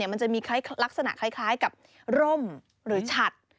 มันจะมีลักษณะคล้ายกับร่มหรือฉัด